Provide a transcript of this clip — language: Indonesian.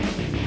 eh mbak be